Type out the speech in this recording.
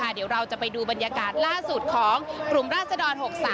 เดี๋ยวเราจะไปดูบรรยากาศล่าสุดของกลุ่มราศดร๖๓